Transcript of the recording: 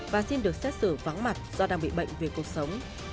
và xin được xét xử vắng mặt do đang bị bệnh về cuộc sống